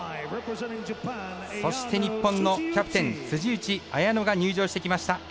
そして、日本のキャプテン辻内彩野が入場してきました。